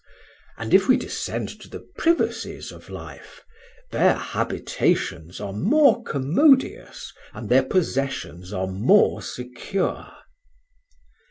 And, if we descend to the privacies of life, their habitations are more commodious and their possessions are more secure."